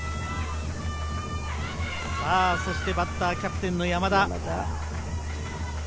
そしてバッター・キャプテンの山田。